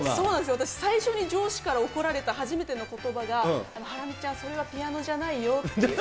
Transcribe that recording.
私、最初に上司から怒られた初めてのことばが、ハラミちゃん、それはピアノじゃないよって。